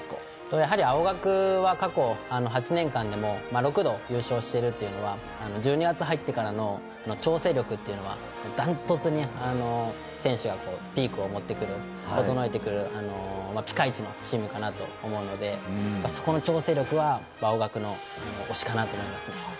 やはり青学は過去８年間でも６度優勝しているというのは１２月入ってからの調整力というのがダントツに選手がピークを持ってくる、整えてくるピカイチのチームかなと思うのでそこの調整力は青学の力かなと思います。